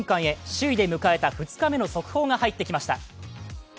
首位で迎えた２日目の速報が入ってきました。